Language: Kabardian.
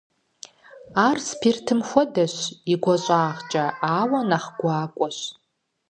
Ар спиртым хуэдэщ и гуащӀагъкӀэ, ауэ нэхъ гуакӀуэщ.